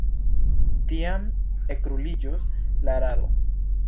Tiam ekruliĝos la rado.